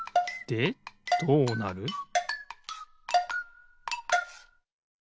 でどうなる？